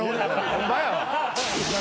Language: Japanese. ホンマやわ。